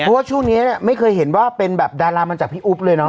เพราะว่าช่วงนี้ไม่เคยเห็นว่าเป็นแบบดารามาจากพี่อุ๊บเลยเนาะ